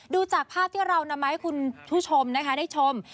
ดูจากภาพที่เรานำมาให้คุณผู้ชมนะคะได้ชม